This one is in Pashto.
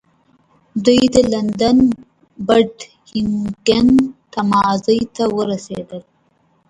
دوی د لندن پډینګټن تمځای ته ورسېدل.